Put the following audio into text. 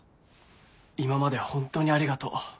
今まで本当にありがとう。